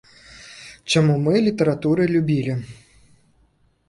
Чаму мы літаратуры любілі?